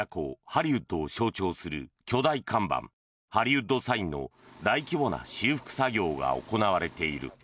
ハリウッドを象徴する巨大看板ハリウッド・サインの大規模な修復作業が行われている。